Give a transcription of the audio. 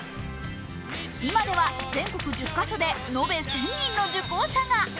今では全国１０カ所で延べ１０００人の受講者が。